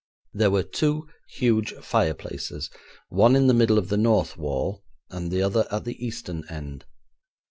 There were two huge fireplaces, one in the middle of the north wall and the other at the eastern end.